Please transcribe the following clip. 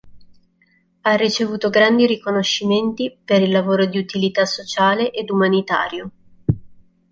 Ha ricevuto grandi riconoscimenti per il lavoro di utilità sociale ed umanitario.